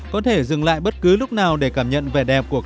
có thể dừng lại bất cứ lúc nào để cảm nhận vẻ đẹp của khu du lịch